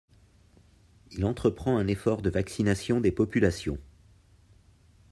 Il entreprend un effort de vaccination des populations.